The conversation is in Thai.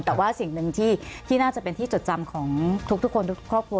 แต่ว่าสิ่งหนึ่งที่น่าจะเป็นที่จดจำของทุกคนทุกครอบครัว